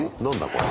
これ。